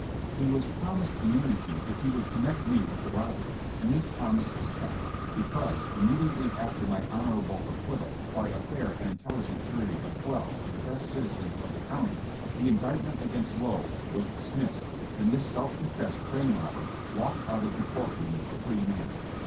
He was prom ised immunity if he would connect me with the rob bery, and this promise was kept, because, immedi ately after my honorable acquittal by a fair and in telligent jury of twelve of the best citizens of the county, the indictment against Lowe was dismissed, and this self confessed train robber walked out of the court room a free man.